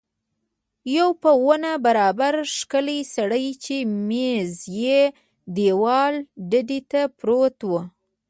یو په ونه برابر ښکلی سړی چې مېز یې دېواله ډډې ته پروت و.